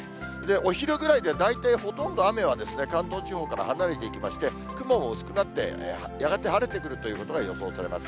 お昼ぐらいで大体ほとんど雨は関東地方から離れていきまして、雲も薄くなって、やがて晴れてくるということが予想されます。